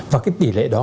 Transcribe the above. và cái tỷ lệ đó